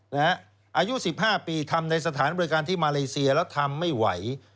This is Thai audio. อายุ๑๕ปีทำในสถานบริการที่มาเลเซียแล้วทำไม่ไหว